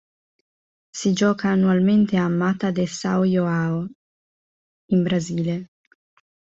Si gioca annualmente a Mata de São João in Brasile.